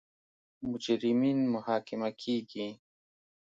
مجرمین محاکمه کیږي.